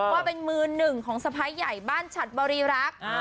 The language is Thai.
ว่าเป็นมือหนึ่งของสะพ้ายใหญ่บ้านฉัดบริรักษ์